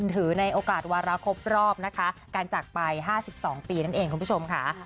ถือในโอกาสวาระครบรอบนะคะการจากไป๕๒ปีนั่นเองคุณผู้ชมค่ะ